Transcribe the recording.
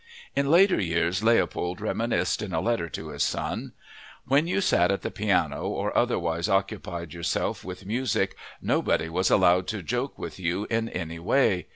In after years Leopold reminisced in a letter to his son: "When you sat at the piano or otherwise occupied yourself with music nobody was allowed to joke with you in any way.